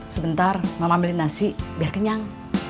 sebentar mama ambil nasi biar kenyang